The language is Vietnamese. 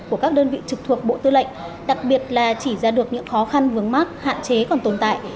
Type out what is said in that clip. của các đơn vị trực thuộc bộ tư lệnh đặc biệt là chỉ ra được những khó khăn vướng mắc hạn chế còn tồn tại